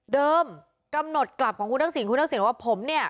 เดิมกำหนดกลับของคุณท่านสิงห์คุณท่านสิงห์ว่าผมเนี่ย